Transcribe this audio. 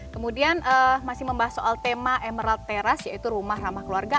kemudian masih membahas soal tema emerald terrace yaitu rumah ramah keluarga